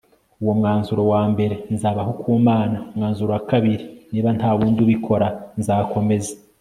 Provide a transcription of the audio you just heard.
umwanzuro wa mbere: nzabaho ku mana. umwanzuro wa kabiri: niba ntawundi ubikora, nzakomeza